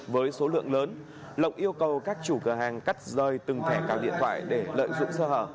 với số lượng lớn lộc yêu cầu các chủ cửa hàng cắt rơi từng thẻ cào điện thoại để lợi dụng sơ hở